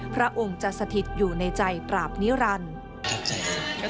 พระองค์จะสถิตอยู่ในใจปราบนิรันดิ์